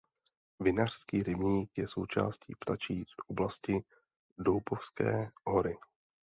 Vinařský rybník je součástí ptačí oblasti Doupovské hory.